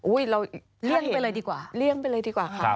อุ้ยเราเลี่ยงไปเลยดีกว่า